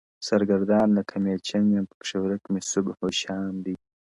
• سرګردان لکه مېچن یم پکښي ورک مي صبح و شام دی -